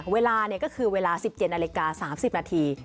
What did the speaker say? เวลาก็คือเวลา๑๗นาฬิกา๓๐นาที